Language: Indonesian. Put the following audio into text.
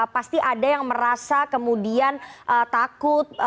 pasti ada yang merasa kemudian takut